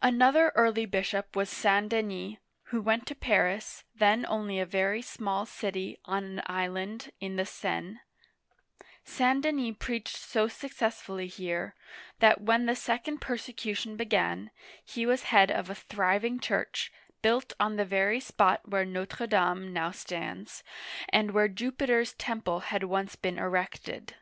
Another early bishop was St. Denis (sant dSn'Is, or, sSn de nee') who went to Paris, then only a very small city on an island in the Seine (sdn). St. Denis preached so suc cessfully here, that when the second persecution began, he was head of a thriving church, built on the very spot where Notre Dame (no'tr* dam) now stands, and where Jupi ter's temple had once been erected.